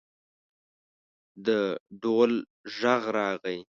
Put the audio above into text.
د ډول غږ راغی.